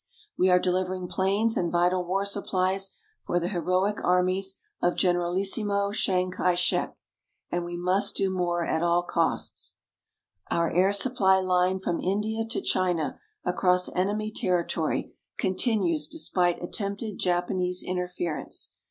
We are delivering planes and vital war supplies for the heroic armies of Generalissimo Chiang Sai shek, and we must do more at all costs. Our air supply line from India to China across enemy territory continues despite attempted Japanese interference.